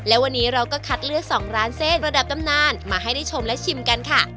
และวันนี้เราก็คัดเลือก๒ร้านเส้นระดับตำนานมาให้ได้ชมและชิมกันค่ะ